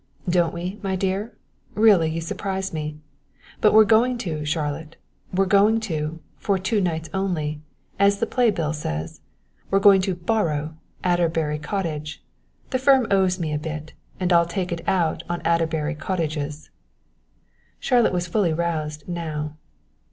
"Don't we, my dear? really you surprise me but we're going to, Charlotte, we're going to for two nights only, as the play bills say. We are going to borrow Adderbury Cottage. The firm owes me a bit, and I'll take it out in Adderbury Cottages." Charlotte was fully roused now.